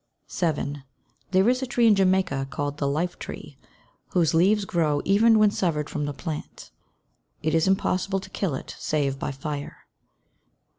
7. There is a tree in Jamaica called the "life tree," whose leaves grow even when severed from the plant. It is impossible to kill it save by fire.